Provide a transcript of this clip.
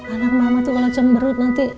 anak mama tuh kalau cemberut nanti